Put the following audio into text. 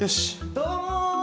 どうも！